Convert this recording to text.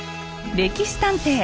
「歴史探偵」